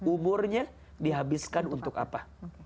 umurnya dihabiskan untuk apa